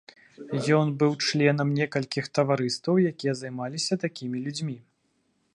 Ён быў членам некалькіх таварыстваў, якія займаліся такімі людзьмі.